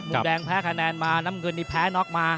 มุมแดงแพ้คะแนนมาน้ำเงินนี่แพ้น็อกมา